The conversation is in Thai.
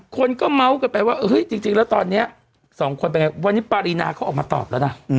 คนก็เมาท์กันไปว่าจริงแล้วตอนนี้๒คนวันนี้ปรีนาเขาออกมาตอบแล้วนะ